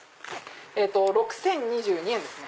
６０２２円ですね。